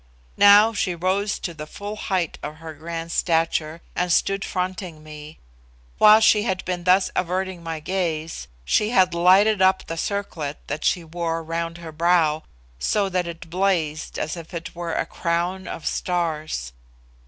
Now, she rose to the full height of her grand stature, and stood fronting me. While she had been thus averted from my gaze, she had lighted up the circlet that she wore round her brow, so that it blazed as if it were a crown of stars.